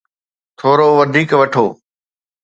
ٿورو وڌيڪ وٺو.